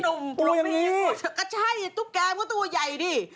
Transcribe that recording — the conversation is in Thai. คันนุ่มตัวอย่างนี้ก็ใช่ตุ๊กแกมันก็ตัวใหญ่ดิ